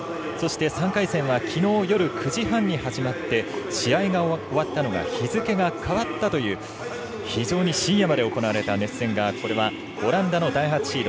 ３回戦はきのう夜９時半に始まって試合が終わったのが日付が変わったという非常に深夜まで行われた熱戦がオランダの第１シード。